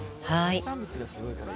はい。